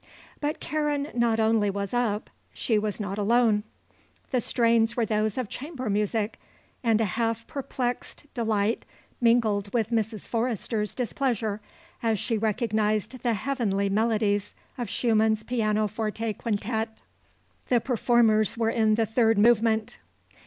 But Karen not only was up; she was not alone. The strains were those of chamber music, and a half perplexed delight mingled with Mrs. Forrester's displeasure as she recognized the heavenly melodies of Schumann's Pianoforte Quintet. The performers were in the third movement.